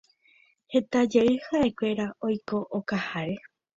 heta jey ha'ekuéra oiko okaháre